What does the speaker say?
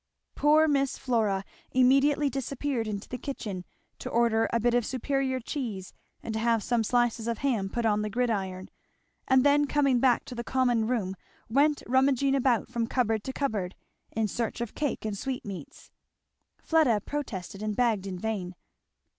Poor Miss Flora immediately disappeared into the kitchen, to order a bit of superior cheese and to have some slices of ham put on the gridiron, and then coming back to the common room went rummaging about from cupboard to cupboard, in search of cake and sweetmeats. Fleda protested and begged in vain.